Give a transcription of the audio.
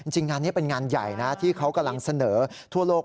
งานนี้เป็นงานใหญ่นะที่เขากำลังเสนอทั่วโลก